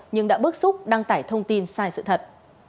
nhưng đã bức xúc đăng tải thông tin sai sự thật